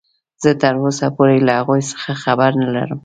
زه تراوسه پورې له هغوې څخه خبر نلرم.